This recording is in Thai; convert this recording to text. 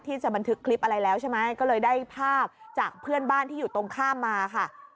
จะบันทึกคลิปอะไรแล้วใช่ไหมก็เลยได้ภาพจากเพื่อนบ้านที่อยู่ตรงข้ามมาค่ะ